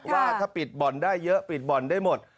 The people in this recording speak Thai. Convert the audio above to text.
ว่าถ้าปิดบ่อนได้เยอะปิดบ่อนได้หมด